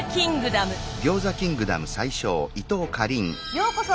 ようこそ！